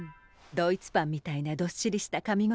ドイツパンみたいなどっしりしたかみ応え。